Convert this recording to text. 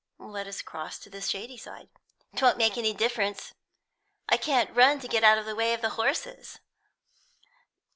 "Let us cross to the shady side." "'Twon't make any difference; I can't run to get out of the way of horses."